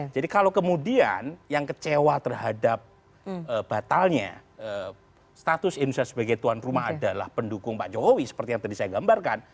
jadi kalau kemudian yang kecewa terhadap batalnya status indonesia sebagai tuan rumah adalah pendukung pak jokowi seperti yang tadi saya gambarkan